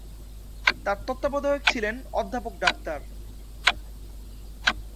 তার তত্ত্বাবধায়ক ছিলেন অধ্যাপক ড।